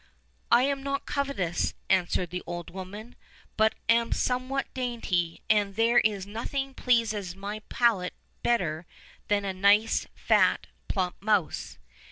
"I am not covetous," answered the old woman, "but am somewhat dainty, and there is nothing pleases my palate better than a nice, fat, plump mouse.